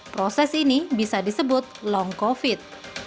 proses ini bisa disebut long covid